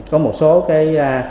có một số cái